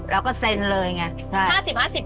๕๐๕๐แล้วก็เซ็นเลยอย่างนี้